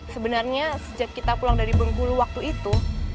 sebenarnya sejak kita pulang dari bengkulu waktu itu